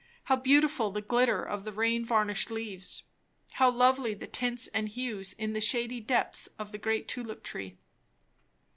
how beautiful the glitter of the rain varnished leaves! how lovely the tints and hues in the shady depths of the great tulip tree!